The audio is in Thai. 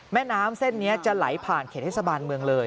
แม่น้ำเส้นนี้จะไหลผ่านเขตเทศบาลเมืองเลย